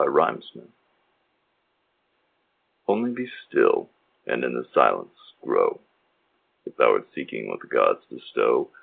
ONLY BE STILL 'Only be still, and in the silence grow,' If thou art seeking what the gods bestow.